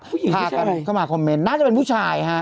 ผู้หญิงก็ใช่เข้ามาคอมเมนต์น่าจะเป็นผู้ชายฮะ